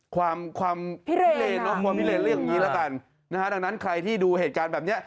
ความพิเลว่งเรื่องนี้แล้วกันนะฮะใครที่ดูเหตุการณ์แบบนี้